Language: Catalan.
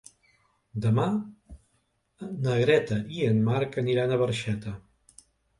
Demà na Greta i en Marc aniran a Barxeta.